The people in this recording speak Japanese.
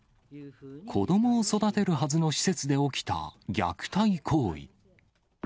子どもを育てるはずの施設で起きた虐待行為。